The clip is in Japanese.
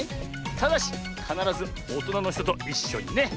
ただしかならずおとなのひとといっしょにね！